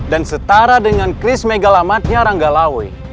dan setara dengan kris megalamatnya ranggalawe